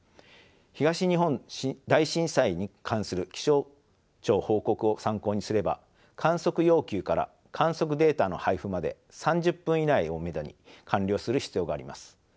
東日本大震災に関する気象庁報告を参考にすれば観測要求から観測データの配布まで３０分以内をめどに完了する必要があります。